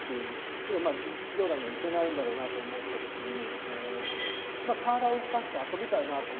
けど実業団には行けないんだろうなと思ったときに体を動かして遊びたいなと思ったんですね。